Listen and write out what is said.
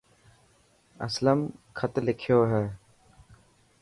اسلم خطلکيو هي.